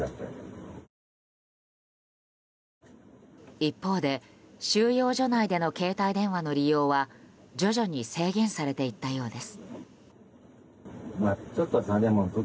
一方で収容所内での携帯電話の利用は徐々に制限されていったようです。